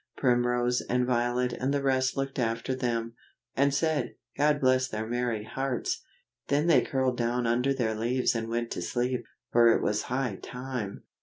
Primrose and Violet and the rest looked after them, and said, "God bless their merry hearts!" then they curled down under their leaves and went to sleep, for it was high time.